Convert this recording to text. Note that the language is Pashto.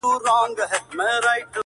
نه په غم کي د مېږیانو د غمونو!.